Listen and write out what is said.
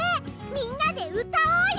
みんなでうたおうよ！